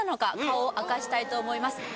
顔を明かしたいと思います